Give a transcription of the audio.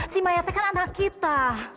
si maya teteh kan anak kita